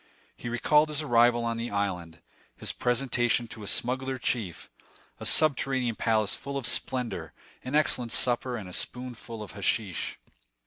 He recalled his arrival on the island, his presentation to a smuggler chief, a subterranean palace full of splendor, an excellent supper, and a spoonful of hashish.